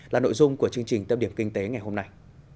là nội dung của chương trình tâm điểm kinh tế ngày hôm nay